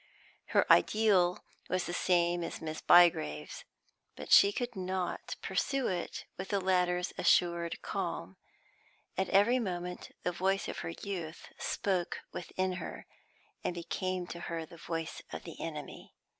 Her ideal was the same as Miss Bygrave's, but she could not pursue it with the latter's assured calm; at every moment the voice of her youth spoke within her, and became to her the voice of the enemy.